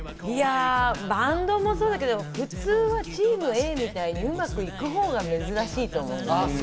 バンドもそうだけど、普通はチームＡみたいに、うまくいくほうが珍しいと思う。